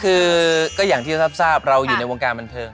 คือก็อย่างที่ทราบเราอยู่ในวงการบันเทิง